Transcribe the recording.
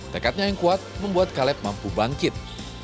tekadnya yang kuat membuat kaleb mampu bangkit